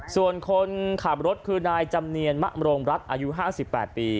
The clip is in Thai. ส่วนคนขับรถคือนายจำเนียนมะมโรงรัฐอายุ๕๘ปี